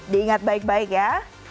diingat baik baik ya